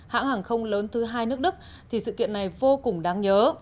hãng hàng không lớn thứ hai nước đức thì sự kiện này vô cùng đáng nhớ